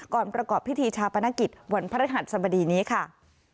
ประกอบพิธีชาปนกิจวันพระฤหัสสบดีนี้ค่ะ